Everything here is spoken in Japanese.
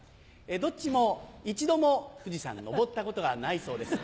どっちも一度も富士山に登ったことがないそうです。